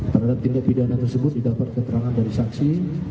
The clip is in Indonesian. terhadap tindak pidana tersebut didapat keterangan dari saksi